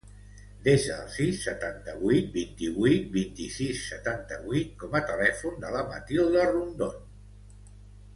Desa el sis, setanta-vuit, vint-i-vuit, vint-i-sis, setanta-vuit com a telèfon de la Matilda Rondon.